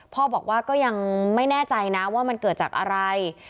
พ่อบอกว่าก็ยังไม่แน่ใจนะว่ามันเกิดจากอะไร